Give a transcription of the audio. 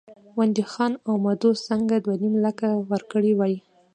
ډونډي خان او مدو سینګه دوه نیم لکه ورکړي وای.